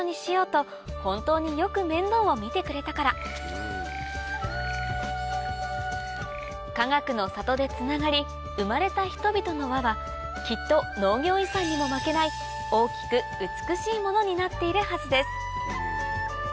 と本当によく面倒を見てくれたからかがくの里でつながり生まれた人々の輪はきっと農業遺産にも負けない大きく美しいものになっているはずです